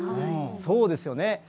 そうですよね。